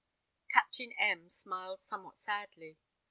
'" Captain M smiled somewhat sadly.